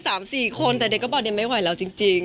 สามสี่คนแต่เด็กก็บอกเด็กไม่ไหวแล้วจริง